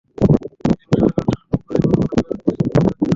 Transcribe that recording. একটি বেসরকারি কনস্ট্রাকশন কোম্পানির মালামাল রাখার জন্য কিছু জমি ইজারা দেওয়া হয়।